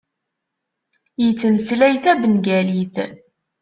Yettmeslay tabengalit.